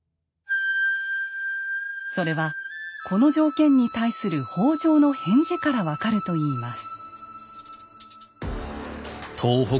それはこの条件に対する北条の返事から分かるといいます。